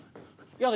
やだ